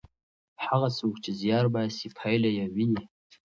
هغه څوک چې زیار باسي پایله یې ویني.